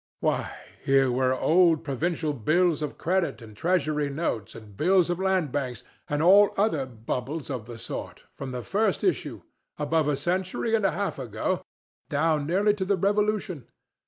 Why, here were old provincial bills of credit and treasury notes and bills of land banks, and all other bubbles of the sort, from the first issue—above a century and a half ago—down nearly to the Revolution.